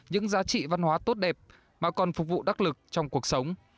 những giá trị văn hóa tốt đẹp mà còn phục vụ đắc lực trong cuộc sống